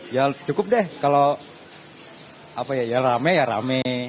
ya cukup deh kalau rame ya rame